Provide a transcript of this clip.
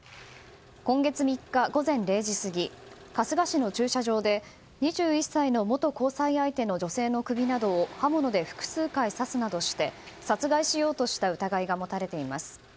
今月３日午前０時過ぎ春日市の駐車場で２１歳の元交際相手の女性の首などを刃物で複数回刺すなどして殺害しようとした疑いが持たれています。